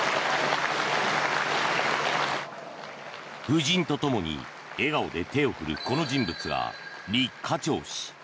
夫人とともに笑顔で手を振るこの人物がリ・カチョウ氏。